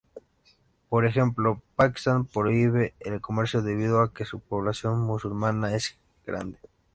Por ejemplo, Pakistán prohíbe el comercio debido a que su población musulmana es grande.